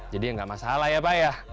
jadi ya nggak masalah ya pak ya